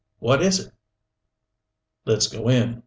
What is it?" "Let's go in.